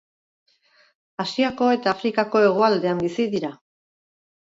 Asiako eta Afrikako hegoaldean bizi dira.